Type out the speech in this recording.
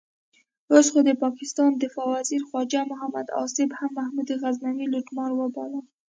اوس خو د پاکستان دفاع وزیر خواجه محمد آصف هم محمود غزنوي لوټمار وباله.